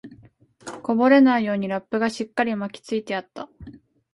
こぼれないようにラップがしっかり巻きつけてあった